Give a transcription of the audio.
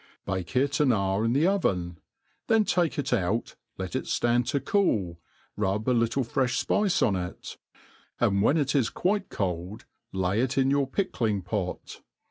^Bake it an hour in the oven, then take it out, let it ftand to cool, rub a little freOi fpice on it ; and when it is quite cold, lay It in your pickh'ng pot.